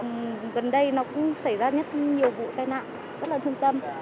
gần đây nó cũng xảy ra rất nhiều vụ tai nạn rất là thương tâm